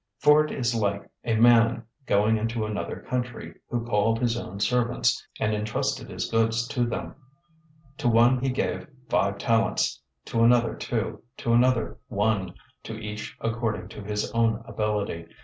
025:014 "For it is like a man, going into another country, who called his own servants, and entrusted his goods to them. 025:015 To one he gave five talents, to another two, to another one; to each according to his own ability.